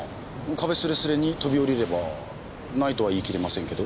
壁すれすれに飛び降りればないとは言い切れませんけど。